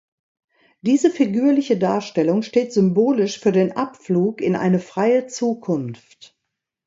Diese figürliche Darstellung steht symbolisch für den Abflug in eine freie Zukunft.